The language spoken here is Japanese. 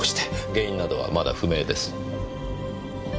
原因などはまだ不明です。